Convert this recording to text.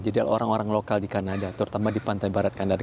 jadi orang orang lokal di kanada terutama di pantai barat kanada